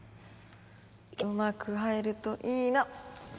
うまく入るといいな！